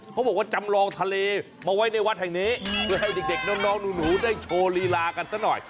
เขาบอกว่าจำลองทะเลมาไว้ในวัดแห่งนี้เพื่อให้เด็กน้องหนูได้โชว์ลีลากันซะหน่อย